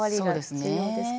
そうですねえ。